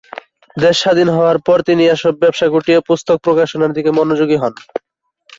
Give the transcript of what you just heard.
দেশ স্বাধীন হওয়ার পর তিনি এসব ব্যবসা গুটিয়ে পুস্তক প্রকাশনার দিকে মনোযোগী হন।